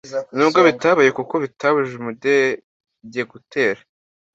nubwo bitabaye kuko bitabujije umudage gutera